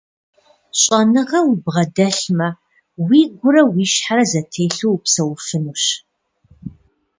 ЩӀэныгъэ убгъэдэлъмэ, уигурэ уи щхьэрэ зэтелъу упсэуфынущ.